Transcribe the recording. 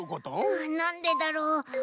あなんでだろう？